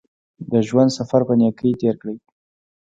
د ژوند سفر په نېکۍ تېر کړئ.